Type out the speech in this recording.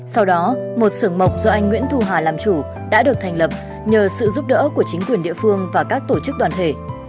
sau đó một sưởng mộc do anh nguyễn thu hà làm chủ đã được thành lập nhờ sự giúp đỡ của chính quyền địa phương và các tổ chức đoàn thể